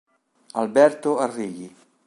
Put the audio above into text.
Alberto Arrighi